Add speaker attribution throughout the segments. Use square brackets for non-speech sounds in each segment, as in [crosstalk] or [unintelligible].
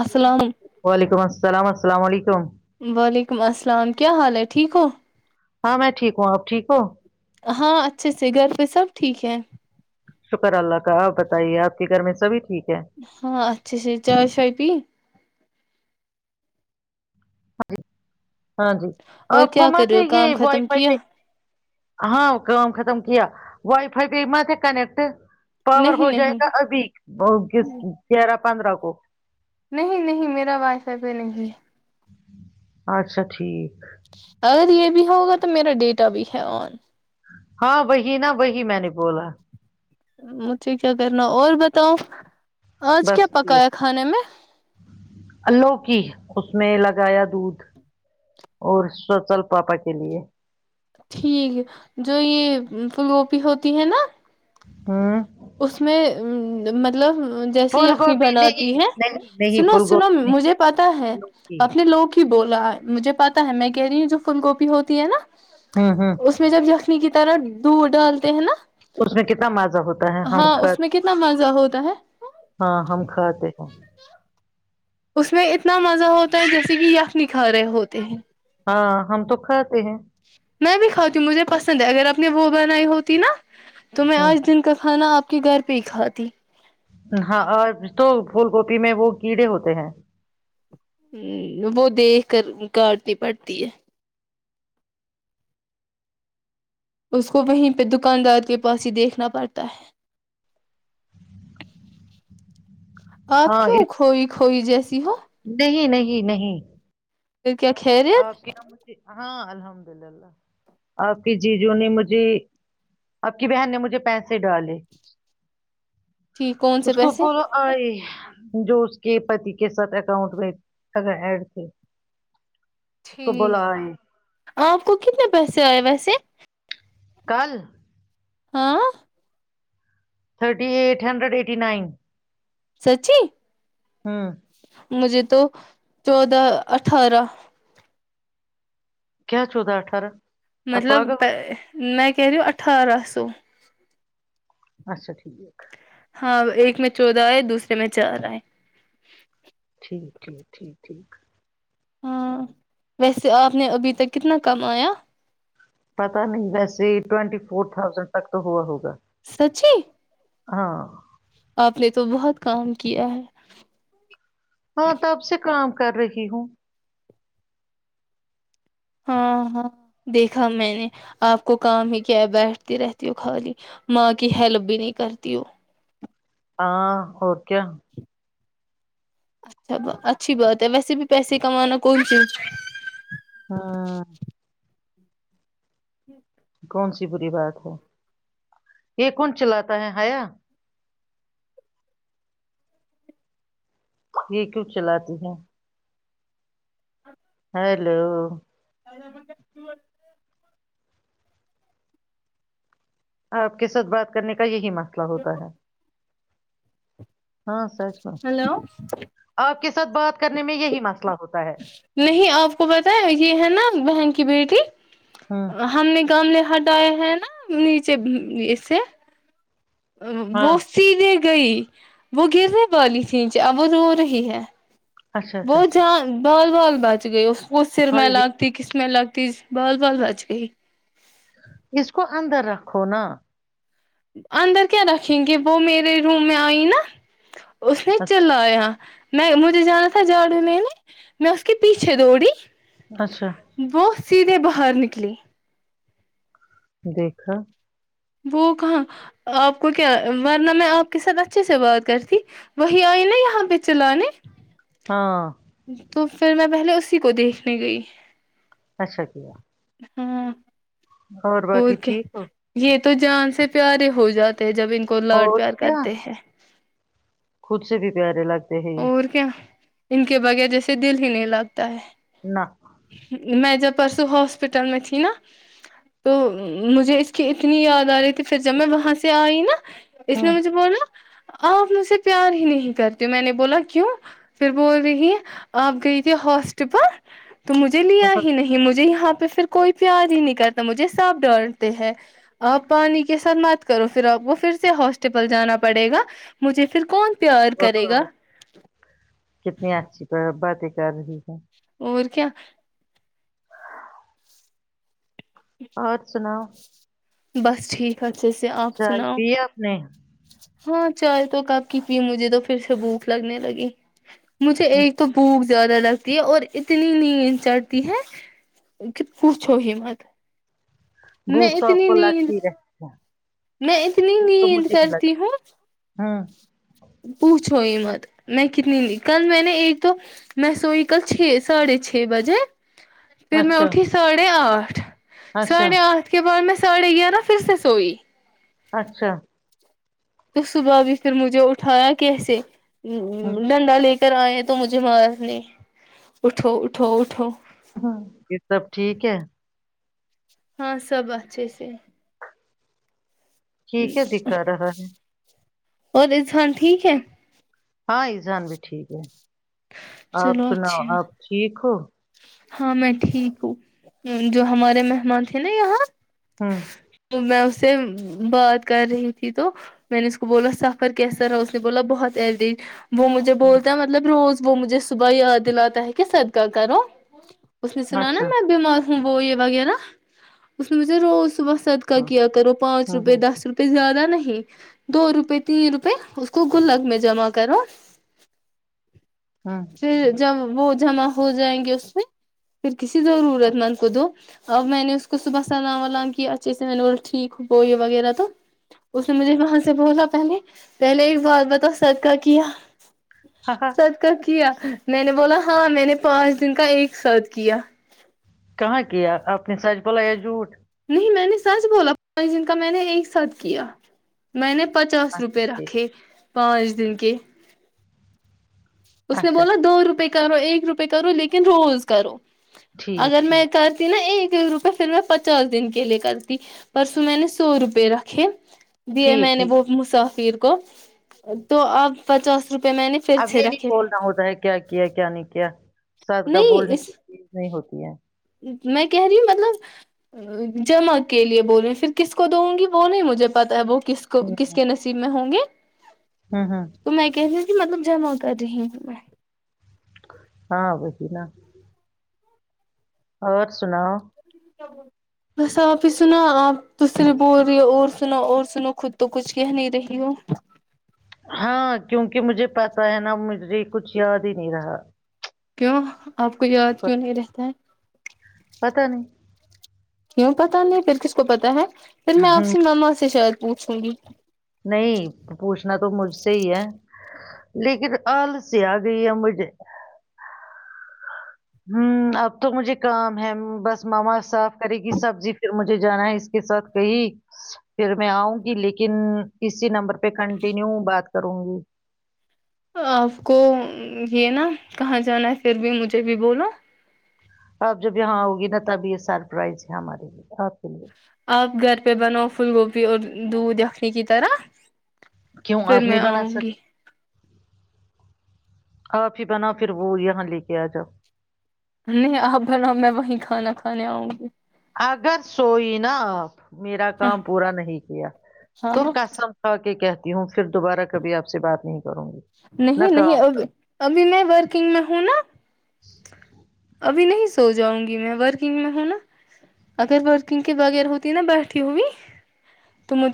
Speaker 1: السلام
Speaker 2: وعلیکم السلام السلام علیکم
Speaker 1: وعلیکم السلام کیا حال ہے ٹھیک ہو
Speaker 2: ہاں میں ٹھیک ہوں آپ ٹھیک ہو
Speaker 1: ہاں اچھے سے گھر پہ سب ٹھیک ہے
Speaker 2: شکر اللہ کا آپ بتائیے آپ کے گھر میں سب ٹھیک ہے
Speaker 1: ہاں اچھاچ چائے شائے پی
Speaker 2: [unintelligible] ہاں جی آ
Speaker 1: اور کیا
Speaker 2: کوما
Speaker 1: کر رہے
Speaker 2: تھے
Speaker 1: ہو
Speaker 2: یہ
Speaker 1: کام
Speaker 2: وائی
Speaker 1: ختم
Speaker 2: فائی پ
Speaker 1: کیا
Speaker 2: ہاں ق ختم کی وائی فائی گئی ما کنیکٹ پاور ہو
Speaker 1: نہیں
Speaker 2: جائے
Speaker 1: نہیں
Speaker 2: گا ابھی گیارہ پندرہ کو
Speaker 1: نہیں نہیں میرا واث ایب نہیں ہے
Speaker 2: اچھا ٹھیک
Speaker 1: اور یہ بھی ہوگا تو میرا ڈیٹا بھی ہے آن
Speaker 2: ہاں وہی نا وہی میں نے بولا
Speaker 1: مجھے کیا کرنا اور بتاؤ آج کیا
Speaker 2: بس
Speaker 1: پکایا
Speaker 2: ٹھیک
Speaker 1: کھانے میں
Speaker 2: لوکی اس میں لگایا دھ اور سچل پاپا کے لیے
Speaker 1: ٹھیک ہے جو یہ فلوپی ہوتی ہے نا
Speaker 2: ہاں
Speaker 1: اس میں مطلب جیسے
Speaker 2: پھول
Speaker 1: یخنی
Speaker 2: گوبھی
Speaker 1: بناتی
Speaker 2: نہیں
Speaker 1: ہے
Speaker 2: نہیں نہیں
Speaker 1: سنو
Speaker 2: پھول
Speaker 1: سنو
Speaker 2: گوبھی
Speaker 1: مجھے
Speaker 2: نہیں
Speaker 1: پتا ہے
Speaker 2: لوکی
Speaker 1: اپنے لوگ ہی بولا ہے مجھے پتا ہے میں کہہ رہی ہوں جو فھل گوبی ہوتی ہے نا
Speaker 2: ہوں ہوں
Speaker 1: اس میں جب خمی کی طرح د ڈالتے ہیں نا
Speaker 2: اس نے کتنا مر ہوتا ہے ہم
Speaker 1: ہاں
Speaker 2: کھ
Speaker 1: اس میں کتنا مزہ ہوتا ہے
Speaker 2: ہاں ہم کھاتے ہیں
Speaker 1: اس میں اتنا مزہ ہوتا ہے جیسے کہ یک نکھار رہے ہوتے ہیں
Speaker 2: ہاں ہم تو کھاتے ہیں
Speaker 1: میں بھی کھاتی ہوں مجھے پسند ہے اگر آپ نے وہ بنائی ہوتی نا تو میں
Speaker 2: ہ
Speaker 1: آج دن کا کھانا آپ کہ گھر پہ ہی کھ تی
Speaker 2: ہاں اور تو پھول گوپی میں وہ کیڑے ہوتے ہیں
Speaker 1: ہ وہ دیکھ کر کاٹنی پڑتی ہے اس کو وہیں پہ دکاندار کے پاس ہی دیکھنا پڑتا ہے آپ
Speaker 2: ہاں
Speaker 1: کیوں
Speaker 2: اس
Speaker 1: کھوئی ہوئی جیسی ہو
Speaker 2: نہیں نہیں نہیں
Speaker 1: ل کیا خیریت
Speaker 2: آپ کی مجھے ہاں الحمد للہ آپ کی جی جو نے مجھے آپ کی بہن نے مجھے پیسے ڈالے
Speaker 1: ٹھیک کون سے
Speaker 2: اس کے
Speaker 1: پیسے
Speaker 2: اوپر آئی جو اس کے پتی کے ساتھ اکاؤنٹ میں ا ایڈ تھے کو
Speaker 1: ٹھیک
Speaker 2: بولا آئے
Speaker 1: آپ کو کتنے پیسے آئے ویسے
Speaker 2: کل
Speaker 1: ہاں
Speaker 2: thirty eight hundred eighty nine
Speaker 1: سچی
Speaker 2: ہاں
Speaker 1: مجھے تو چودودہ اٹھارہ
Speaker 2: کیا چودہ اٹھارہ آپ
Speaker 1: مطلب
Speaker 2: پاگل ہو
Speaker 1: میں کہری اٹھارہ سو
Speaker 2: اچھا ٹھیک
Speaker 1: ہاں ایک میں چودہ آئے دوسرے میں چار آئے
Speaker 2: ٹھیک ٹھیک ٹھیک ٹھیک
Speaker 1: ہاں ویسے آپ نے ابھی تک کتنا کم آیا
Speaker 2: پتا نہیں ویسے ٹوینٹی فور تھازینڈ تک تو ہوا ہوگا
Speaker 1: سچی
Speaker 2: ہاں
Speaker 1: آپ نے تو بہت کام کیا ہے
Speaker 2: ہاں تب سے کام کر رہی ہوں
Speaker 1: ہاں ہاں دیکھا میں نے آپ کو کام ہی کیا ہے بیٹھتی رہتی ہ خالی ماں کی ہیلپ بھی نہیں کرتی ہو
Speaker 2: ہاں ہو کیا
Speaker 1: اچھا اچھی بات ہے ویسے بھی پیسے کمانا کوئی چیز
Speaker 2: ہاں کون سی بری بات ہے یہ کون چلاتا ہے ہیا یہ کیوں چلاتی ہے ہیلو
Speaker 1: ا ہم ب
Speaker 2: آپ کے ساتھ بات کرنے کا یہی مق مسلہ ہوتا ہے ہاں سچ میں
Speaker 1: ہیلو
Speaker 2: آپ کے ساتھ بات کرنے میں یہی مسئلہ ہوتا ہے
Speaker 1: نہیں آپ کو بتائ یہ ہے نا بنک کی بیٹی
Speaker 2: ہوں
Speaker 1: ہم نے گاؤں میں ہر دیا ہے نا نیچے ایسے ا
Speaker 2: ہاں
Speaker 1: بوسی نے گئی وہ گرنے والی تھی ا وہ رو رہی ہے
Speaker 2: اچھا
Speaker 1: وہ
Speaker 2: اچھا اچھا
Speaker 1: جا ب سوال بیچ گئے اس وہ سر
Speaker 2: ہاں
Speaker 1: میں
Speaker 2: یہ
Speaker 1: لگتی کس میں لگتی بال بال بچ گئی
Speaker 2: اس کو اندر رکھو نا
Speaker 1: اندر کیا رکھیں گے وہ میرے روم میں آئی نا اس نے
Speaker 2: اچھا
Speaker 1: چلایا میں مجھے جانا تھا جاڑو میں نے میں اس کے پیچھے دوڑی
Speaker 2: اچھا
Speaker 1: وہ سیدھے باہر نکلی
Speaker 2: دیکھا
Speaker 1: وہ کہاں آپ کو کیا ورنہ میں آپ کے ساتھ اچھے سے بات کرتی وہی آئی نا یہاں پہ چلانے
Speaker 2: ہاں
Speaker 1: تو پھر میں پہلے اسی کو دیکھنے گئی
Speaker 2: اچھا جہ
Speaker 1: ہاں
Speaker 2: اور باقی ٹھیک ہو
Speaker 1: یہ تو جان سے پیارے ہو جاتے جب ان کو لاڈ
Speaker 2: اور
Speaker 1: پیار
Speaker 2: کیا
Speaker 1: کرتے ہیں
Speaker 2: خود سے بھی پیے لگے [unintelligible]
Speaker 1: اور کیا ان کے بغیر جیسے دل ہی نہیں لگتا تا
Speaker 2: نہ
Speaker 1: ے میں جب پرسوں ہاسپٹل میں تھی نا تو مجھے اس کی اتنی یاد آ رہی تھی پھر جب میں وہاں سے آئی نا اس نے
Speaker 2: ہوں
Speaker 1: مجھے بولا آپ مجھ سے پیار ہی نہیں کرتی میں نے بولا کیوں پھر بول رہی آپ گئی تھی ہاسٹ پر تو مجھے لیا
Speaker 2: بہت
Speaker 1: ہی نہیں مجھے یہاں پہ پھر کوئی پیار ہی نہیں کرتا مجھے ساپ ڈالتے ہیں آپ پانی کے ساتھ مات کرو پھر آپ کو پھر سے ہاسٹپل جانا پڑے گا مجھے پھر کون سا پیار کرے گا
Speaker 2: بہت کتنی اچھی پر ربا ت کر رہی ہے
Speaker 1: اور کیا
Speaker 2: اور سنا
Speaker 1: بس ٹھیک ہے
Speaker 2: چل پ ہے اپنے
Speaker 1: ہاں چل تو کب کی پی مجھے تو پھر سے بھوک لگنے لگی مجھے ایک تو بک زیادہ لگتی ہے اور اتنی نیند چھتی ہے کہ پوچھو ہم مت میں
Speaker 2: بوک توپ
Speaker 1: اتنی
Speaker 2: کو الگ
Speaker 1: نیند
Speaker 2: ہی رہ ہے
Speaker 1: میں اتنی نیند کرتی ہوں
Speaker 2: ہاں
Speaker 1: چھوئی مت میں کتنی کل میں نے ایک دو میں سوئی کل چھ ساڑھے چھ بجے پھر میں
Speaker 2: اچھا
Speaker 1: اٹھی ساڑھے آٹھ اٹھ
Speaker 2: اچھا
Speaker 1: ساڑھے آتھ کے بعد میں سڑےیا نا پھر سے سوئی
Speaker 2: اچھا
Speaker 1: تو صبح بھی پھر مجھے اٹھایا کیسے ہ
Speaker 2: ہوں
Speaker 1: ڈنا لے پھر آئے تو مجھے مارنے اٹھو اٹھو اٹھو
Speaker 2: ہ یہ سب ٹھیک ہے
Speaker 1: ہاں سب اچھے سے
Speaker 2: ٹھیک ہے دکھا رہا ہے
Speaker 1: اور اسان ٹھیک ہے
Speaker 2: ہاں ایزان بھی ٹھیک ہے آپ
Speaker 1: چلو
Speaker 2: سناؤ
Speaker 1: اچھی
Speaker 2: آپ
Speaker 1: بات
Speaker 2: ٹھیک ہو
Speaker 1: ہاں میں ٹھیک ہوں جو ہمارے مہمان تھے نا یہاں
Speaker 2: ہوں
Speaker 1: میں اس سے بات کر رہی تھی تو میں نے اس کو بولا سفر کیسا رہا اس نے بولا بہت ایج وہ مجھے بولتا ہے مطلب روز وہ مجھے صبح ہی یاد دلاتا ہے کہ صدگہ کرو ہ اس نے سنا نا
Speaker 2: اچھا
Speaker 1: میں بیمار وہ یہ وغیرہ اس میں مجھے روز صبح صدقہ
Speaker 2: ہاں
Speaker 1: کیا کرو پانچ
Speaker 2: ہوں
Speaker 1: روپئے
Speaker 2: ہوں
Speaker 1: دس روپئے زیادہ نہیں دو روپئے تین روپئے اس کو گلک میں جمع کرو
Speaker 2: ہوں
Speaker 1: پھر جب وہ جما ہو جائیں گے اس پھر کسی ضرورت مند کو دو اب میں نے اس کو صبح سلام ولام کیا اچھے سے میں نے بول ٹھیک ب یہ وغیرہ تو اس نے مجھے وہاں سے بولا پہلے پہلے ایک بار بتا سدکا کیا
Speaker 2: ہاں ہاں
Speaker 1: سد کا کیا میں نے بولا ہاں میں نے پانچ دن کا ایک صدقیہ
Speaker 2: کہاں کیا آپ نے سچ بلا یا جھوٹ
Speaker 1: میں نے سچ بولا جن کا میں نے ایک ساتھ کیا میں نے پچاس
Speaker 2: اچھا
Speaker 1: روپے
Speaker 2: ٹھیک
Speaker 1: رکھے پانچ دن کے اس نے
Speaker 2: اچھا
Speaker 1: بولا دو روپئے کے کرو ایک روپئے کرو لیکن روز کرو
Speaker 2: ٹھیک
Speaker 1: اگر میں
Speaker 2: ٹھیک
Speaker 1: کرتی نا ایک روپئے پھر میں پچاس دن کے لیے کرتی پرسوں میں نے سو روپے رکھے دیے میں
Speaker 2: ٹھیک
Speaker 1: نے
Speaker 2: ٹھیک
Speaker 1: بہت مسافر کو تو آپ پچاس روپ م میں نے پھر
Speaker 2: اب یہ
Speaker 1: چرا
Speaker 2: نہیں بولنا ہوتا ہے کیا ہے کیا نہیں کیا کیا سادگاہ
Speaker 1: نہیں
Speaker 2: بولنے
Speaker 1: اس
Speaker 2: کی چیز نہیں ہوتی ہے
Speaker 1: میں کہہ رہی ہوں مطلب جمع کے لیے بول رہی پھر کس کو دوں گی وہ نہیں مجھے پتا ہے وہ کس کو
Speaker 2: ہوں
Speaker 1: کس کے نصیب میں ہوں گے
Speaker 2: ہوں ہاں [inaudible]
Speaker 1: تو میں کہہ رہی ہوں مطلب جمع کر رہی میں [inaudible]
Speaker 2: ہاں وہی نا اور سناؤ [inaudible]
Speaker 1: بس آپ ہی سنا آپ دوسرے بول رہے ہو اور سناو اور سنو خود تو کچھ کہ نہیں رہی ہو [inaudible]
Speaker 2: ہاں کیونکہ مجھے پتا ہے نا مجھے کچھ یاد ہی نہیں رہا [inaudible]
Speaker 1: [inaudible] آپ کو یاد کیوں نہیں رہتا ہے [inaudible]
Speaker 2: پتا نہیں
Speaker 1: کیوں پتا نہیں پھر کس کو پتا ہے [inaudible] پھر
Speaker 2: ہم،
Speaker 1: میںپ ماما سے شاید [inaudible] وہ سوڑی [inaudible]
Speaker 2: نہیں پوچھنا تو مجھ سے ہی ہے لیکن آل سے آ گئی ہے مجھے [inaudible] ہ اب تو مجھے کام ہے بس ماما صاف کرے گی سبزی پھر مجھے جانا ہے اس کے ساتھ کہئی پھر میں آؤں گی لیکن اسی نمبر [inaudible] کنٹینیو بات کر [inaudible] کروں گی [inaudible]
Speaker 1: آپ کو یہ نا کہاں جانا ہے پھر بھی مجھے بھی بولو
Speaker 2: اپ جب یہاں ہوگی نا تب یہ سرپرائز ہے ہمارے لیے آپ کے لیے
Speaker 1: آپ گھر پہ بنو پھول گوبھی اور دودھ خنی کی طرح پھر میں آؤں گی
Speaker 2: سکتے [inaudible] پھر بنا پھر وہ یہاں لے کے آجاؤ
Speaker 1: نہیں آ بنا میں وہیں کھانا کھانے آؤں گی
Speaker 2: اگر سوئی ناپ میرا کام پورا نہیں کیا
Speaker 1: ہاں
Speaker 2: تو کسم تھاھ کے کہتے [inaudible] ہوں پھر دوبارہ کبھی آپ سے بات نہیں کروں گی نہ
Speaker 1: نہیں نہیں
Speaker 2: کام
Speaker 1: اب ابھی میں ورکنگ میں ہوں نا ابھی نہیں [inaudible] سو جاؤں گی میں ورکنگ میں ہوں نا اگر ورکنگ کے بغیر ہوتی نا بیٹھی ہوئی تو مج [inaudible]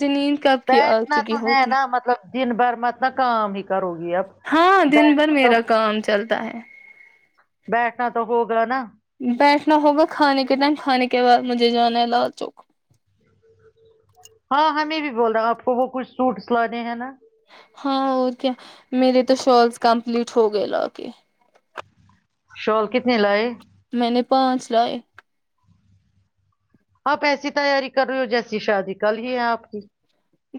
Speaker 2: بیٹھنا تو ہے نا مطلب دن بھر مت نہ کام ہی [inaudible] کرو گی اب
Speaker 1: ہاں دن بھر
Speaker 2: بیٹھنا تو
Speaker 1: میرا کام چلتا ہے
Speaker 2: بیٹھنا تو ہوگا نا [inaudible]
Speaker 1: کتنا ہوگا کھانے کے ٹائم کھانے کے بعد مجھے جانا ہے لال چوک [inaudible]
Speaker 2: ہاں ہمیں بھی بول رہا ہوں آپ کو وہ کچھ سوٹ سلانے ہیں نا
Speaker 1: ہاں اور کیا میرے تو شالس کمپلیٹ ہو گئے لا کے
Speaker 2: شال کتنی لائے
Speaker 1: میں نے پانچ لائے
Speaker 2: آپ ایسی تیاری کر رہے ہو جیسی شادی کل ہی ہے آپ کی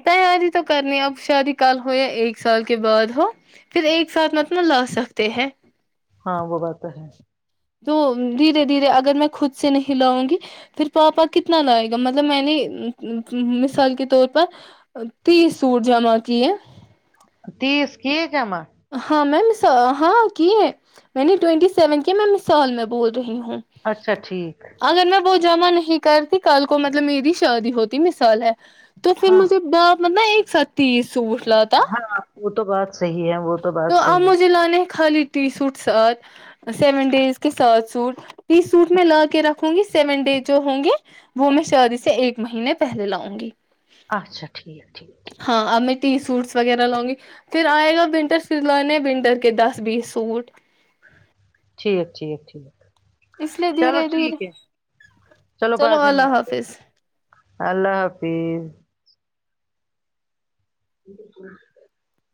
Speaker 1: تیاری تو کرنی اب شادی کال ہو یا ایک سال کے بعد ہو پھر ایک ساتھ متل لا سکتے ہیں
Speaker 2: ہاں وہ بات ہے
Speaker 1: تو دھیرے دھیرے اگر میں خود سے نہیں لاؤں گی پھر پاپا کتنا لائے گا مطلب میں نے مثال کے طور پر تیس سوٹ جمع کیے
Speaker 2: تیس کیس [inaudible]
Speaker 1: ہاں میم ہاں کی ہے میں نے ٹینٹی سیون کے میں مثال میں بول [unintelligible] رہی ہوں
Speaker 2: اچھا ٹھیک
Speaker 1: اگر میں بہ جمع نہیں کرتی کل کو مطلب میری شادی ہوتی مثال ہے [unintelligible] توھر
Speaker 2: ہاں
Speaker 1: مجت بپ مطب ایک ستیس
Speaker 2: ہاں وہ تو بات صحیح ہے وہ
Speaker 1: تو
Speaker 2: بات
Speaker 1: آپ
Speaker 2: صحیح ہے
Speaker 1: مجھے لانے خالی ٹی سوٹ ساتھ سیون ڈیز کے ساتھ سوٹ ٹی سوٹ میں لا کے رکھوں گی سیون ڈیز جو ہوں گی وہ میں شادی سے ایک مہینے پہلے لاؤں گی
Speaker 2: اچھا ٹھیک ہے ٹھیک ہے ٹھیک ہے
Speaker 1: ت سوٹس وغیرہ لاؤ گی پھر آئے گا ونٹر سلانے ونٹر کے دس بیس سوٹ
Speaker 2: ٹھیک ٹھیک ہے ٹھیک
Speaker 1: اس لیے
Speaker 2: چلو
Speaker 1: دھیرے
Speaker 2: ٹھیک
Speaker 1: دھیرے
Speaker 2: ہے چلو بعد میں
Speaker 1: اللہ
Speaker 2: ملتے ہیں
Speaker 1: حافظ
Speaker 2: اللہ حافظ ج